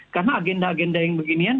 karena agenda agenda yang beginian